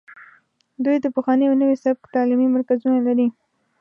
دوی د پخواني او نوي سبک تعلیمي مرکزونه لري